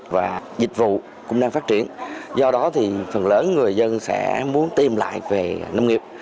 và dịch vụ cũng đang phát triển do đó thì phần lớn người dân sẽ muốn tìm lại về nông nghiệp